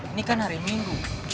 ini kan hari minggu